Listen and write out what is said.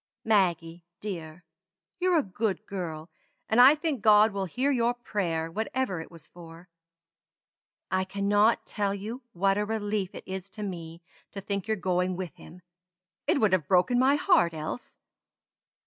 "Maggie dear! you're a good girl, and I think God will hear your prayer whatever it was for. I cannot tell you what a relief it is to me to think you're going with him. It would have broken my heart else.